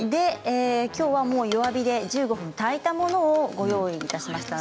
きょうは弱火で１５分炊いたものをご用意しました。